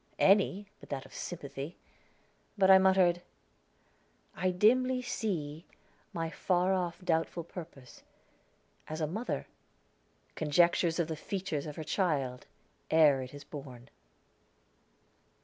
Any, but that of sympathy. But I muttered: "'I dimly see My far off doubtful purpose, as a mother Conjectures of the features of her child Ere it is born.'"